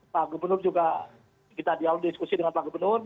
pak gubernur juga kita dialog diskusi dengan pak gubernur